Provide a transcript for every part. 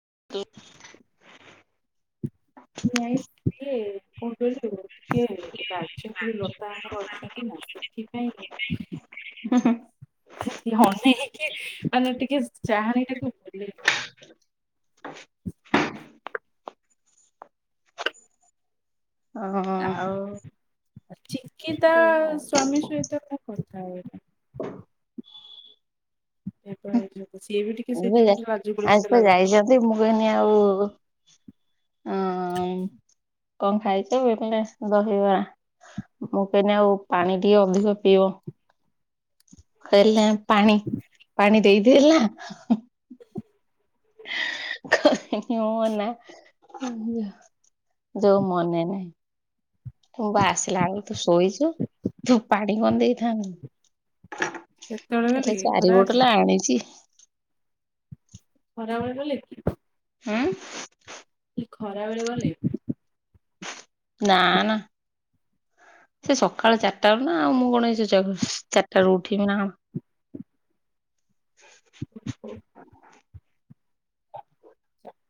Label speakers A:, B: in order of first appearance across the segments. A: [unintelligible]
B: ନାଇସି୍ କିଏ? କଣ କହିଲୁ ଟିକେ ଲାଜକୁଳି ଲତା ଆମର ଅଛନ୍ତି ନା ସେଥିପାଇଁ। [inaudible] ଅନେଇକି ମାନେ ଟିକେ ଚାହାନଣି ଟିକୁ,।
A: ହଁ।
B: ଆଉ ଚିକିତା ସ୍ଵାମୀ ସହିତ ମୁ କଥାହୁଏନା। ଏପା ସିଏ ବି ଟିକେ ସେଇଟାଇପିର ଲାଜକୋଳି ମତେ ଲାଗନ୍ତି।
A: ଯେ ମୁକହିନି ଆଉ। ହଁ କଣ ଖାଇଚ କହିଲେ ଦହିବା। ମୁଁ କହିନି ଆଉ ପାଣି ଟିକେ ଅଧିକ ପିଇବ। କହିଲେ ପାଣି ପାଣି ଦେଇଦେଏ ହେଲା।
B: [inaudible]
A: ମୁ ନା। ଯୋଉ ମନେ ନାଇଁ ତୋବା ସ୍ଲାନ୍ ତୁ ଶୋଇଚ ତୁ ପାଡି କି ଅନେଇ ଥାନ୍ତୁ।
B: କେତେବେଳେ ଗଲେ
A: ହେଲେ
B: କି ଖରାବେଳେ
A: ଚାରିବୋଟଲ ଆଣିଚି।
B: ଖରାବେଳେ ଗଲେ କି?
A: ହୁଁ।
B: ଖରା ବେଳେ ଗଲେ।
A: ନାନା। ସେ ସଖାଳ ଚାଟାରୁ ନା ଆଉ ମୁଁ କଣ ଏଇ ଚାରିଟା ରୁ ଉଠିମି ନା କଣ।
B: [inaudible]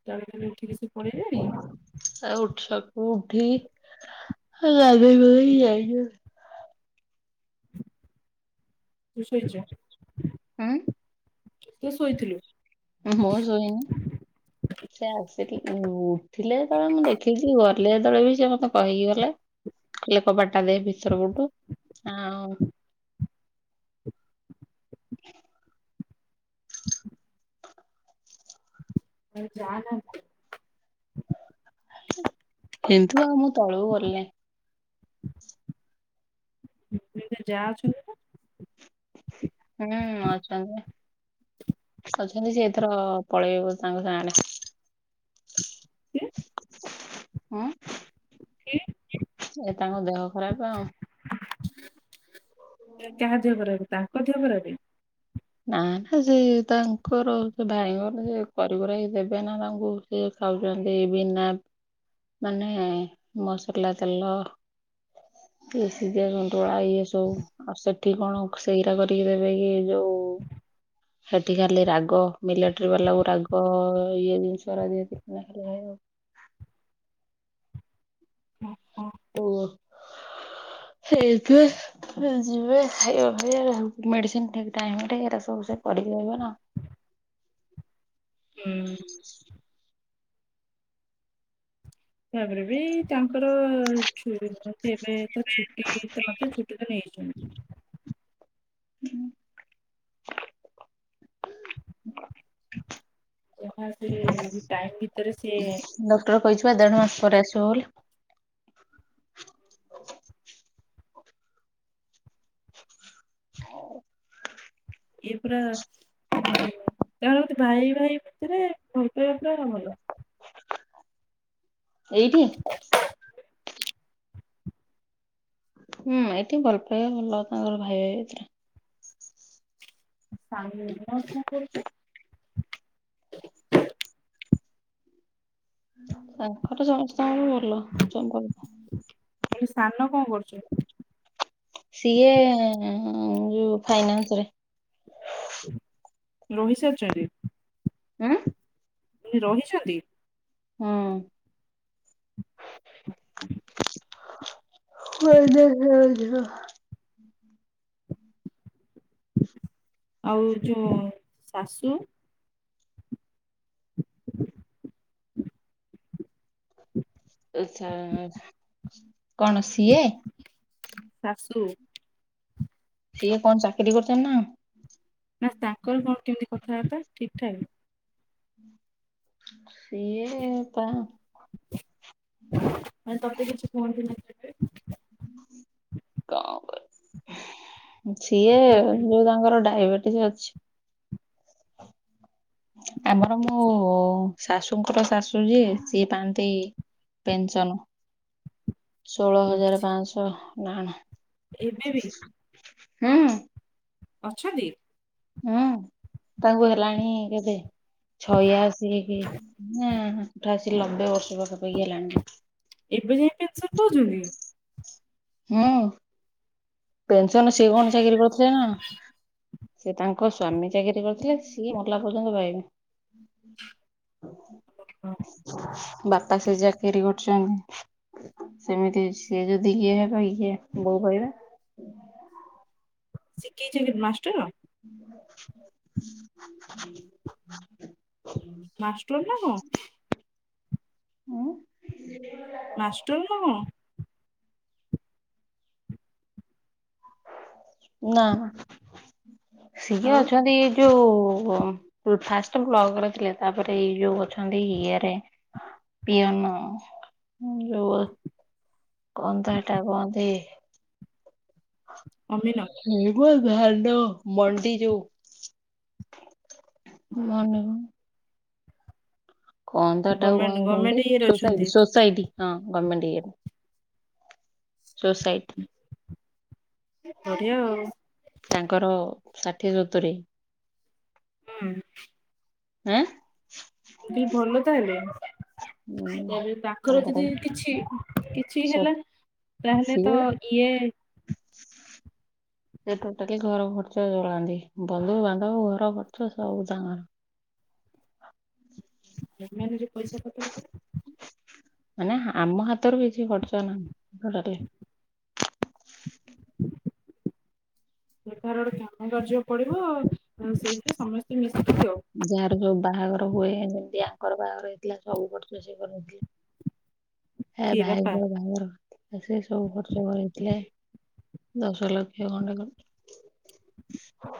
B: ଚାରିଟାରୁ ଉଠିକି ସେ ପଣେଇ ଲେଣି?
A: ଆଉ ଉଠିଵାକୁ ଉଠିକି ଗାଧେଇ ପାଧେଇକି ଯାଇଛନ୍ତି।
B: ତମେ ସୋଇଚ?
A: ହୁଁ।
B: ଟିକେ ଶୋଇଥିଲୁ।
A: ମୁଁ ଶୋଇନି।
B: [inaudible]
A: ସେ ଆସିକି ଉଠିଲେ ଯେତଳେ ମୁଁ ଦେଖିଛି ଗଲେ ଯେତଳେ ବି ସେ ମତେ କହିକି ଗଲେ‌ ଲେ କବାଟଟା ଦେ ଭିତର ପଟୁ। ଆଉ-
B: ଆରେ ଯାଆ ନାଁ।
A: କିନ୍ତୁ ଆଉ ମୁଁ ତଳୁ ଗଲନେଇ।
B: ଦି ତିନିଟା ଯା ଅଛନ୍ତି। ନା
A: ହୁଁ ଅଛନ୍ତି‌ ଅଛନ୍ତି ସିଏ ଏଥର ପଳେଇ ବୋ ତାଙ୍କ ଗାଁ ଆଡ଼େ।
B: କିଏ?
A: ହଁ।
B: କିଏ?
A: ସିଏ ତାଙ୍କ ଦେହ ଖରାପ।
B: ଏ କାହା ଦେହ ଖରାପେ, ତାଙ୍କ ଦେହ ଖରାପେ?
A: ନା ନା, ସେ ତାଙ୍କର ସେ ଭାଇଙ୍କର ସେ କରି କୁରାକି ଦେବେ ନା ତାଙ୍କୁ। ସେ ଖାଉଚନ୍ତି ବିନା ମାନେ, ମସଲା ତେଲ କି ସିଜା ସନ୍ତୁଳା ଏ ସବୁ ଆଉ ସେଠି କଣ ସେଇରା କରିକି ଦେବେ କି ଏଇ ଯୋଉ
B: [inaudible]
A: ସେଠି ଖାଲି ରାଗ, ମିଲେଟରି ବାଲାକୁ ରାଗ, ଇଏ ଜିନିଷ ରା ଦିଅନ୍ତି ଖାଇବାକୁ।
B: ହଁ ହଁ।
A: ଓ ହେଇଥିବେ। ଯିବେ, ଖାଇବା ପିଇବା, ମେଡିସିନି ଠିକି ଟାଇମ୍ ରେ, ଏରା ସବୁ ସେ କରିପାରିବେ ନା?
B: [unintelligible] ହୁଁ। ତାପରେ ବି ତାଙ୍କର ଛୁୁଏ ନାହାନ୍ତି ଏବେ, ତ ଛୁଟି ତ ନଥେ, ଛୁଟି ତ ନେଇଚନ୍ତି। ଯାହା ସେ, ଟାଇମ୍ ଭିତରେ ସିଏ
A: ଡକ୍ଟର କହିଚି ପା, ଦେଢ ମାସ ପରେ ଆସିବ ବୋଲି। [unintelligible]
B: ଇଏ ପୁରା ତାଙ୍କର ବୋଧେ ଭାଇ ଭାଇ ଭିତରେ, ଭଲ ପାଇବା ପୁରା ଭଲ।
A: ଏଇଠି? ହୁଁ, ଏଇଠି ଭଲ ପାଇବା ଭଲ, ତାଙ୍କର ଭାଇ ଭାଇ ଭିତେରେ।
B: [unintelligible]
A: ତାଙ୍କର ସମସ୍ତଙ୍କର ଭଲ, ସମ୍ପର୍କ।
B: ମୁଁ କହିଲି ସାନ କଣ କରୁଚି?
A: ସିଏ ଯୋଉ ଫାଇନାନ୍ସ ରେ।
B: ରହି ସାରିଚନ୍ତି?
A: ଆଁ
B: ରହିଚନ୍ତି?
A: ହଁ ଅ। [unintelligible]
B: ଆଉ ଯୋଉଁ ଶାଶୁ? [unintelligible] [unintelligible]
A: କଣ ସିଏ?
B: ଶାଶୁ?
A: ସିଏ କଣ ଚାକିରି କରୁଚନ୍ତି ନା?
B: ନା, ତାଙ୍କର କଣ କେମିତି କଥାବାର୍ତ୍ତା, ଠିକ୍ ଠାକ୍?
A: ସିଏ କଣ?
B: ମାନେ ତତେ କିଛି କୁହନ୍ତିନି, ନା ତତେ?
A: ସିଏ ଯୋଉ
B: କେବେ?
A: [unintelligible] ତାଙ୍କର ଡାଇବେଟିସ୍ ଅଛି। ଆମର ମୋ ଶାଶୁଙ୍କର ଶାଶୁ ଯିଏ, ସିଏ ପାଆନ୍ତି ପେନସନ୍। ଷୋହଳ ହଜାର ପାଞ୍ଚଶହ ନା ଣ,
B: ଏବେ ବି
A: ହୁଁ।
B: ଅଛନ୍ତି?
A: ହୁଁ, ତାଙ୍କୁ ହେଲାଣି କେତେ ଛୟାଅଶୀ କି ନା ଅଠାଅଶୀ -ନବେ ବର୍ଷ ପାଖାପାଖି ହେଲାଣି।
B: ଏବେ ଯାଏଁ ପେନସନ୍ ପାଉଛନ୍ତି?
A: ହଁ। ପେନସନ୍ ସିଏ କଣ ଚାକିରି କରୁଥିଲେ ନା। ସେ ତାଙ୍କ ସ୍ଵାମୀ ଚାକିରି କରିଥିଲେ, ସିଏ ମଲା ପର୍ଯ୍ୟନ୍ତ ପାଇବେ। ବାପା ସେ ଚାକିରି କରୁଛନ୍ତି। ସେମିତି ସିଏ ଯଦି ଇଏ ହେବେ ଇଏ ବୋଉ ପାଇବେ।
B: ସିଏ କି ଚାକିରି ମାଷ୍ଟର?
A: [inaudible]
B: ମାଷ୍ଟର୍ ନା କଣ?
A: ଉଁ
B: ମାଷ୍ଟର୍ ନା କଣ?
A: ନା। ସିଏ
B: ଆଉ
A: ଅଛନ୍ତି ଏଇ ଯୋଉ ଫାଷ୍ଟ ବ୍ଲକ୍ ରେ ଥିଲେ। ତାପରେ ଏଇ ଯୋଉ ଅଛନ୍ତି ଇଏ ରେ ପିଅନ ଯୋଉ କଣ ତ ହେଟା କହନ୍ତି
B: ଅମିନ?
A: ଏଇମ ଧାନ ମଣ୍ଡି ଯୋଉ [inaudible] କଣ ତ ତାକୁ
B: ଗମେଣ୍ଟ
A: କଣ
B: ଗମେଣ୍ଟ
A: କହନ୍ତି,
B: ଇଏରେ ଅଛନ୍ତି
A: ସୋସାଇଟ୍। ସୋସାଇଟ୍ ହଁ ଗମେଣ୍ଟ ଇଏରେ। ସୋସାଇଟ୍।
B: ବଢିଆ ଆଉ।
A: ତାଙ୍କର ଷାଠିଏ-ସତୁରି।
B: ହୁଁ।
A: ହାଁ?
B: ବି ଭଲ ତାହେଲେ।
A: ଉଁ
B: ତା ତାଙ୍କର ଯଦି କିଛି - କିଛି
A: ସ
B: ହେଲା ତା ହେଲେ ତ
A: ସିଏ
B: ଇଏ
A: ସେ ଟୋଟାଲି ଘର ଖର୍ଚ୍ଚ ଚଳାନ୍ତି। ବନ୍ଧୁବାନ୍ଧବ, ଘର ଖର୍ଚ୍ଚ ସବୁ ତାଙ୍କର।
B: [unintelligible] ପଇସା ପତ୍ର। [unintelligible]
A: ମାନେ ଆମ ହାତରୁ କିଛି ଖର୍ଚ୍ଚ ନାହିଁ ଘରେ।
B: [inaudible] ସେଠାରେ କାମ କାର୍ଯ୍ୟ ପଡ଼ିବ ସେଇଥିରେ ସମସ୍ତେ ମିଶିକି ଦିଅଉ।
A: ଯାହାର ଯୋଉ ବାହାଘର ହୁଏ, ଯେମିତି ଆଙ୍କର ବାହାଘର ହେଇଥିଲା ସବୁ ଖର୍ଚ୍ଚ ସିଏ କରନ୍ତି।
B: [inaudible]
A: ହେ
B: କିଏ ବାପା
A: ଭାଇଙ୍କର ବାହାଘର। ସେ ସବୁ ଖର୍ଚ୍ଚ କରେଇ ଥିଲେ। ଦଶ ଲକ୍ଷ ଖଣ୍ଡେ। [inaudible]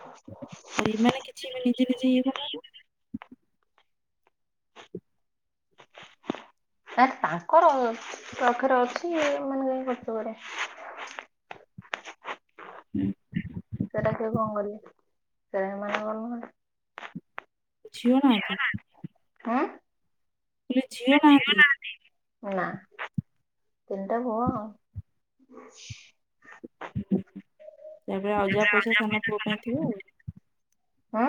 B: ଆଉ ଏମାନେ କିଛି ବି ନିଜେ-ନିଜେ ଇଏ କ
A: ହାକ୍ ତାଙ୍କର ପାଖରେ ଅଛି ଏମାନେ କାଇଁ ଖର୍ଚ୍ଚ କରିବେ।
B: ହୁଁ।
A: ସେଟା କିଏ କଣ କରିବେ, ସେଟା ଏମାନଙ୍କର ନୁହେଁ ନା।
B: ଝିଅ ନାହାନ୍ତି?
A: ହୁଁ?
B: କହିଲେ ଝିଅ ନାହାନ୍ତି
A: ନା ତିନିଟା ପୁଅ ଆଉ। [inaudible]
B: ତେବେ ଆଉ ଯାହା ପଇସା ସାନ ପୁଅ ପାଇଁ ଥିବ ଆଉ?
A: ଆଁ?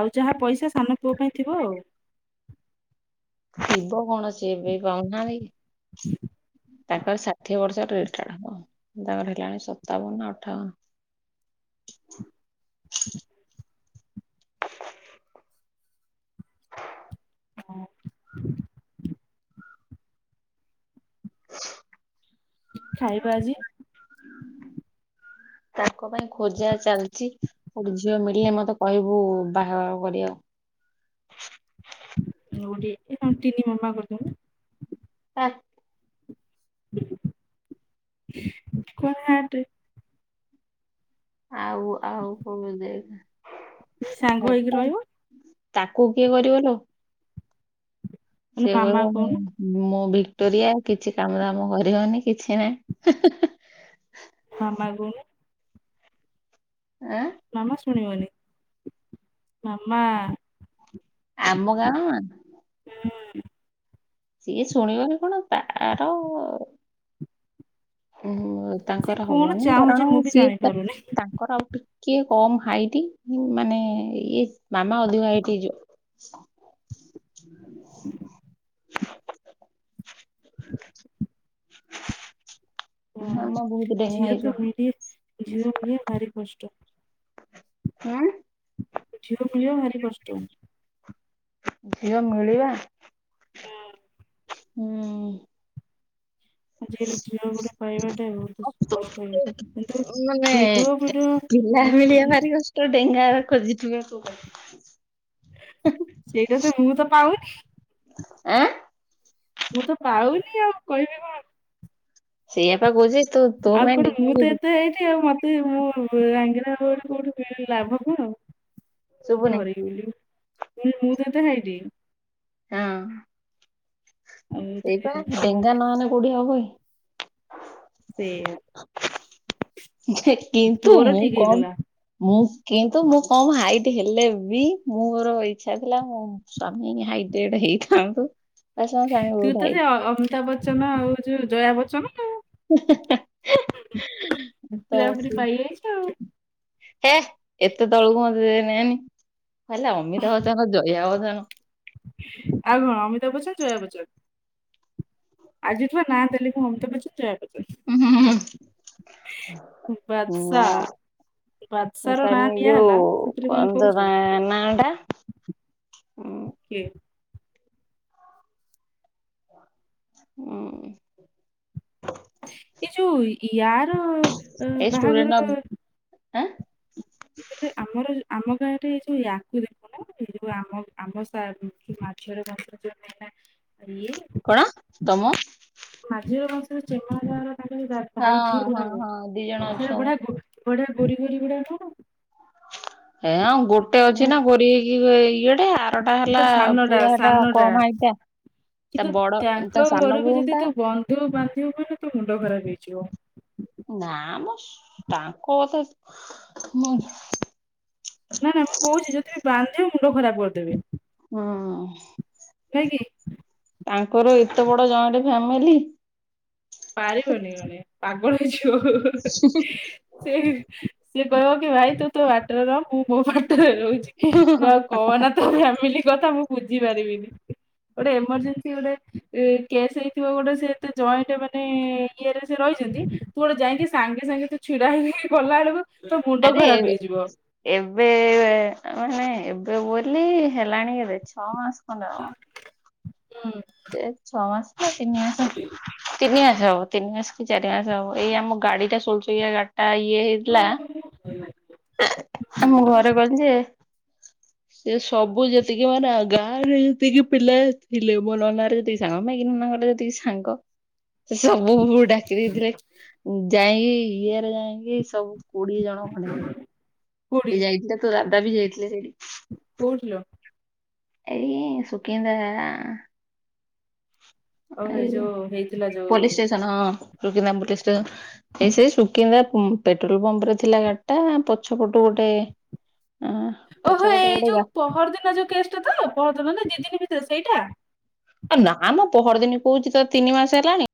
B: ଆଉ ଯାହା ପଇସା ସାନ ପୁଅ ପାଇଁ ଥିବ ଆଉ‌?
A: ଥିବ କଣ ସେବି ପାଉନାହାନ୍ତି କି?
B: [inaudible]
A: ତାଙ୍କର ଷାଠିଏ ବର୍ଷର ରେଟାର୍ଡ ତାଙ୍କର ହେଲାଣି ସତାବନ ନା ଅଠାବନ। [inaudible]
B: ହଁ।
A: [inaudible]
B: ଖାଇବା ଆଜି?
A: ତାଙ୍କ ପାଇଁ ଖୋଜା ଚାଲିଛି। ଗୋଟେ ଝିଅ ମିଳିଲେ ମତେ କହିବୁ ବାହାଘର କରିବା।
B: ଗୋଟେ ତିନି ମାମା କରିଥିଲେ।
A: ହାଟ।
B: କଣ ହାଟରେ?
A: ଆଉ ଆଉ କଣ ଦେଖେ?
B: ସାଙ୍ଗ ହେଇକି ରହିବ
A: ତାକୁ କିଏ କରିବଲୋ?
B: କହିଲେ
A: ସିଏ
B: ମାମା
A: କହିବ
B: କହୁନୁ
A: ମୁଁ। ମୁଁ ଭିକ୍ଟୋରିଆ କିଛି କାମ ଦାମ କରିବନି କିଛି ନାହିଁ।
B: ହଁ ମାଗୁନୁ।
A: ଆଁ?
B: ମାମା ଶୁଣିବନି। ମାମା
A: ଆମ ଗାଁ
B: ହୁଁ।
A: ସିଏ ଶୁଣିବନି କଣ ତାର? ଉଁ ହୁଁ
B: ସେ
A: ତାଙ୍କର
B: କଣ
A: ହବନି
B: ଚାହୁଁଛି
A: କାରଣ
B: ମୁଁ ବି
A: ସିଏ
B: ଜାଣିପାରୁନି
A: ତା ଙ୍କର ଆଉ ଟିକେ କମ ହାଇଟ ମାନେ ଇଏ ମାମା ଅଧିକ ହାଇଟ ହେଇଯିବ। [inaudible]
B: [inaudible]
A: [inaudible] ହଁ
B: ଓହୋ
A: ଆମ ବହୁତ ଡେଙ୍ଗା
B: ଝିଅ ତ
A: ହେଇଯିବ
B: ମିଳିବା ଝିଅ ମିଳିବା ଭାରି କଷ୍ଟ।
A: ଫୋନ।
B: ଝିଅ ମିଳିବା ଭାରି କଷ୍ଟ।
A: ଝିଅ ମିଳିବା
B: ହୁଁ।
A: ହୁଁ।
B: ଆଜିକାଲି ଝିଅ ଗୋଟେ ପାଇବାଟା ବହୁତ
A: ତତେ
B: କଷ୍ଟ ହେଇଗଲାଣି କିନ୍ତୁ
A: ମାନେ
B: ଭିଡିଓ ଫିଡିଓ
A: ତ ଡେଙ୍ଗା ଖୋଜିଥିବେ [inaudible]
B: ସେଇଟା ତ ମୁ ତ ପାଉନି?
A: ଆଁ
B: ମୁଁ ତ ପାଉନି ଆଉ କହିବି କଣ?
A: ସେଇଆ ପା କହୁଛି। ତୁ ତୋ
B: ଆଉ
A: ପାଇଁ
B: କଣ
A: ଡେଙ୍ଗା
B: ମୁଁ ତ
A: ଖୋଜୁ
B: ଏତେ ହେଇଛିି ଆଉ ମ ସେ ମୁଁ ରାଙ୍ଗିରାଳି କୋଉଠି ଲାଭ କଣ ଆଉ?
A: ଶୁଭୁନି
B: ଧରିକି ବୋଲିବୁ ମୁଁ ତ ଏତେ ହାଇଟ
A: ହଁ।
B: ଆଉ ମତେ
A: ସେଇପା
B: କଣ
A: ଡେଙ୍ଗା ନହଲେ କୋଉଠି ହବ କି।
B: ସେଇଆ।
A: ଯେ କିନ୍ତୁ
B: ତୋର
A: ମୁଁ
B: ଠିକ୍
A: କମ୍।
B: ହେଇଗଲା
A: ମୁଁ କିନ୍ତୁ ମୁଁ କମ ହାଇଟ ହେଲେ ବି ମୋ ମୋର ଇଛା ଥିଲା ମୁଁ ସ୍ୱାମୀ ହାଇଟେଡ ହେଇଥାନ୍ତୁ। ବାସ ମୋ ସ୍ୱାମୀ
B: ତୁ
A: ବହୁତ
B: ତ
A: ହାଇଟ
B: ଯେ ଅମିତା ବଚ୍ଚନ ଆଉ ଯଉ ଜୟା ବଚ୍ଚନ ଆଉ।
A: ତ
B: ପିଲାପିଲି
A: ସେ
B: ପାଇଯାଇଛୁ ଆଉ
A: ହେ ଏତେ ତଳକୁ ମତେ ନେନି କହିଲା ଅମିତା ବଚନ ଜୟା ବଚନ।
B: ଆଉ କଣ ଅମିତା ବଚନ ଜୟା ବଚନ। ଆଜିଠୁ ଏ ନା ଦେଲି ମୁଁ ଅମିତା ବଚନ ଜାୟା ବଚନ।
A: ଉଁ ହୁଁ ହୁଁ ହୁଁ।
B: ବାଦଶା। ବାଦଶା ର ନାଁ
A: ସ୍ୱାମୀ
B: ଦିଆ
A: ଯୋଉ
B: ହେଲା ସେଥିରେ ପୁଣି
A: କଣ ତ ତା
B: କହୁଚୁ।
A: ନାଁ ଟା ଉଁ
B: କିଏ?
A: ହଉ।
B: ଏ ଯୋଉ ଇ ଇୟାର
A: ଏ ଷ୍ଟୁଡେଣ୍ଟ ଅଫ ହାଁ
B: ଆମର ଆମ ଗାଁ ରେ ଏଇ ଯୋଉ ୟାକୁ ଦେଖୁ ନା। ଏଇ ଆମ ଆମ ସାର ମାଛର [unintelligible]
A: କଣ ତମ
B: ମାଝୀର ବଂଶର ଚେମା ହେରିକା ତାଙ୍କର ଯୋଉ ଦା
A: ହଁ
B: ଭାଇ ଝିଅ
A: ହଁ
B: ଗୁଡାକ
A: ହଁ ଦି ଜଣ
B: ସେଇରା
A: ଅଛନ୍ତି।
B: ବଢିଆ ଗୋ ବଢିଆ ଗୋରି ଗୋରି ଗୋଡାକ କଣ?
A: ଏ ଆଉ ଗୋଟେ ଅଛି ନା ଗୋରୀ ହେଇକି ଇଏ ଏ ଆରଟା ହେଲା
B: ପୁରା ସାନଟା
A: ପୁରା ହେଟା
B: ସାନଟା
A: କମ ହାଇଟ ଟା। ତା
B: କିନ୍ତୁ
A: ବଡ
B: ତାଙ୍କ
A: ତା ସାନ
B: ଘରକୁ ଯଦି
A: ଭଉଣୀ ଟା
B: ବନ୍ଧୁ ତୁ ବାନ୍ଧିବୁ ମାନେ ତ ମୁଣ୍ଡ ଖରାପ ହେଇଯିବ।
A: ନା ମ ତାଙ୍କ କଥା ହୁଁ
B: ନା ନା ମୁଁ କହୁଛି ଯଦି ବି ବାନ୍ଧିିବ ମୁଣ୍ଡ ଖରାପ କରିଦେବେ।
A: ହୁଁ।
B: କାହିଁକି?
A: ତାଙ୍କର ଏତେ ବଡ ଜଏଣ୍ଟ ଫ୍ୟାମିଲି।
B: ପାରିବନି ଜଣେ ପାଗଳ ହେଇଯିବ। ସେ ସେ କହିବ କି ଭାଇ ତୁ ତୋ ବାଟରେ ରହ। ମୁଁ ମୋ ବାଟରେ ରହୁଚି। ତୁ ଆଉ କହନା ତ ଫ୍ୟାମିଲି କଥା ମୁଁ ବୁଝି ପାରିବିନି। ଗୋଟେ ଏମରଜେନ୍ସି ଗୋଟେ କେସ୍ ହେଇଥିବ। ଗୋଟେ ସେ ଏତେ ଜଏଣ୍ଟ ମାନେ ଇଏରେ ସେ ରହିଛନ୍ତି। ତୁ ଗୋଟେ ଯାଇକି ସାଙ୍ଗେ ସାଙ୍ଗେ ତୁ ଛିଡା ହେଇକି ଗଲା ବେଳକୁ ତୋ ମୁଣ୍ଡ
A: ଆରେ
B: ଖରାପ ହେଇଯିବ।
A: ଏବେ ମାନେ ଏବେ ବୋଲି ହେଲାଣି ଏବେ ଛଅ ମାସ ଖଣ୍ଡେ ହବ।
B: ହୁଁ।
A: ଏ ଛଅ ମାସ ତ ତିନି ମାସ
B: [unintelligible]
A: ତିନି ମାସ କି ହବ ତିନି ମାସ କି ଚାରି ମାସ ହବ। ଏଇ ଆମ ଗାଡି ଟା ସୁଲଚୋକିଆ ଗା ଆ ଇଏ ହେଇଥିଲା। ଆ ମୁଁ ଘରେ କହିଲି ଯେ ସେ ସବୁ ଯେତିକି ମାନେ ଗାଁ ରେ ଯେତିକି ପିଲା ଥିଲେ ମୋ ନନାରେ ଯେତିକି ସାଙ୍ଗ ମାଇକିନା ଗୋଟେ ଯେତିକି ସାଙ୍ଗ
B: [inaudible]
A: ସେ ସବୁ କୁ ଡାକି ଦେଇଥିଲେ ଯାଇଁକି ଇଏରେ ଯାଇଁକି ସବୁ କୋଡିଏ ଜଣ ଖଣ୍ଡେ
B: ହୁଁ
A: ସେ ଯାଇଥିଲେ ତୋ ଦାଦା ବି ଯାଇଥିଲେ ସେଇଠିକି।
B: କୋଉଠି ଲ।
A: ଏଇ ସୁକିନ୍ଦା ସାରା
B: ଓ
A: ଏଇ
B: ଯୋଉ ହେଇଥିଲା
A: ପୋଲିସ୍
B: ଯୋଉ
A: ଷ୍ଟେସନ ହଁ ସୂକିନ୍ଦମ୍ ଷ୍ଟେସ ଏ ସେଇ ସୁକିନ୍ଦା ପୁଂ ପେଟ୍ରୋଲ ପମ୍ପ ରେ ଥିଲା ଗାଡି ଟା ପଛ ପଟୁ ଗୋଟେ ଅ
B: ଓହୋ
A: ପଛପଟୁ
B: ଏଇ
A: ଗୋଟେ
B: ଯୋଉ
A: ଗା
B: ପହରଦିନ ଯୋଉ କେଷ୍ଟ ତ ପହରଦିନ ନା ଦି ଦିନ ଭିତରେ ସେଇଟା।
A: ଆଉ ନା ମଁ ପହର ଦିନି କୋହୁଚି ସେ ତିନି ମାସ ହେଲାଣି।